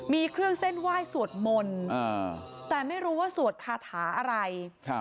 มีเครื่องเส้นไหว้สวดมนต์แต่ไม่รู้ว่าสวดคาถาอะไร